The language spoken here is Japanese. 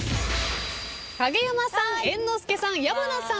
影山さん猿之助さん矢花さん